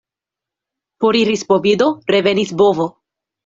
Foriris bovido, revenis bovo.